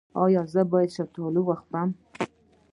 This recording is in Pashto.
ایا زه باید شفتالو وخورم؟